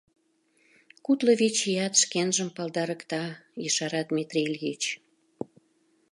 — Кудло вич ият шкенжым палдарыкта, — ешара Дмитрий Ильич.